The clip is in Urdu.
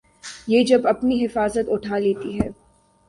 یہ جب اپنی حفاظت اٹھا لیتی ہے۔